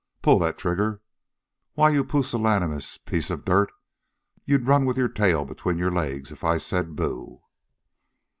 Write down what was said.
Pull that trigger! Why, you pusillanimous piece of dirt, you'd run with your tail between your legs if I said boo!"